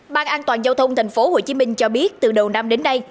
ban an toàn giao thông thành phố hồ chí minh cho biết từ đầu năm đến nay